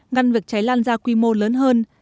ngăn việc cháy lan ra quy mô lớn hơn